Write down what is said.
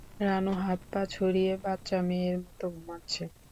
রানু হাত-পা ছড়িয়ে বাচ্চা মেয়ের মতো ঘুমোচ্ছে।